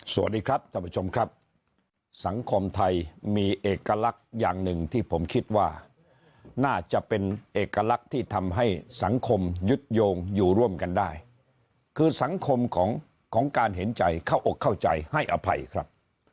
สวัสดีครับท่านผู้ชมครับสังคมไทยมีเอกลักษณ์อย่างหนึ่งที่ผมคิดว่าน่าจะเป็นเอกลักษณ์ที่ทำให้สังคมยึดโยงอยู่ร่วมกันได้คือสังคมของของการเห็นใจเข้าอกเข้าใจให้อภัยครับ